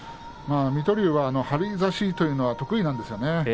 水戸龍は張り差しというのは得意なんですよね。